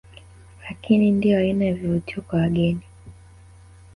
Lakini ndiyo aina ya vivutio kwa wageni